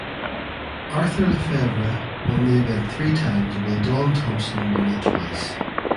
Arthur Le Fevre won the event three times while Don Thomson won it twice.